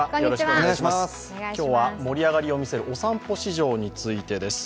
今日は盛り上がりを見せるお散歩市場についてです。